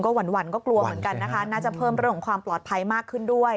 หวั่นก็กลัวเหมือนกันนะคะน่าจะเพิ่มเรื่องของความปลอดภัยมากขึ้นด้วย